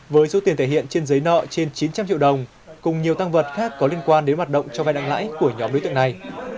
với số tiền thể hiện trên giấy nợ trên chín trăm linh triệu đồng cùng nhiều tăng vật khác có liên quan đến hoạt động cho vai nặng lãi của nhóm đối tượng này